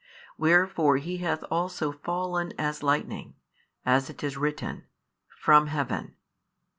Wherefore he hath also fallen as lightning, as it is written, from heaven.